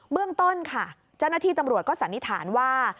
เรื่องต้นค่ะเจ้าหน้าที่ตำรวจก็สันนิษฐานว่า